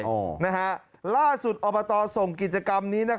ล่าสุดอบตส่งกิจกรรมนี้